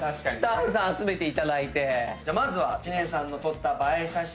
じゃあまずは知念さんの撮った映え写真